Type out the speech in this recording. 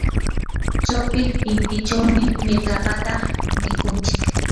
chawpi intichawmi mirkapata mikunchik.